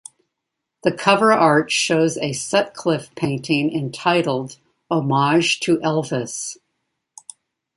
The cover art shows a Sutcliffe painting entitled "Homage to Elvis".